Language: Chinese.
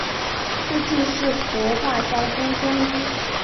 父亲是国画家兼中医。